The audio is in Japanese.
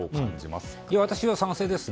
私は賛成です。